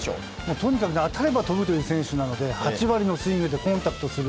とにかく当たれば飛ぶという選手なので８割のスイングでコンタクトする。